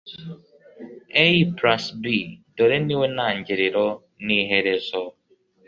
a+b) dore niwe ntangiriro n'iherezo